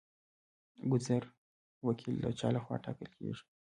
ګذر وکیل د چا لخوا ټاکل کیږي؟